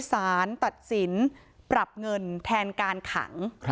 สารตัดสินปรับเงินแทนการขัง